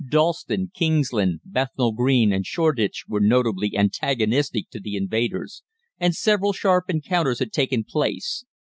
Dalston, Kingsland, Bethnal Green, and Shoreditch were notably antagonistic to the invaders, and several sharp encounters had taken place.